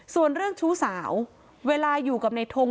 ส่วนเรื่องชู้สาวเวลาอยู่กับในทง